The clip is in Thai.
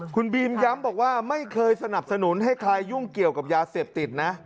คุณบีมย้ำบอกว่าไม่เคยสนับสนุนให้ใครยุ่งเกี่ยวกับยาเสพติดนะ